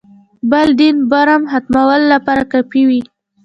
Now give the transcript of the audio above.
بل دین برم ختمولو لپاره کافي وي.